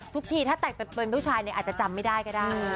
ทุกทีถ้าแต่งเป็นผู้ชายเนี่ยอาจจะจำไม่ได้ก็ได้